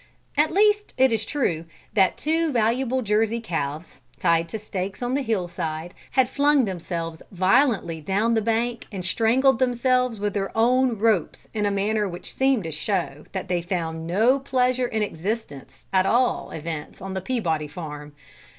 At least, it is true that two valuable Jersey calves, tied to stakes on the hillside, had flung themselves violently down the bank and strangled themselves with their own ropes in a manner which seemed to show that they found no pleasure in existence, at all events on the Peabody farm.